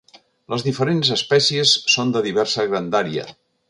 Les diferents espècies són de diversa grandària.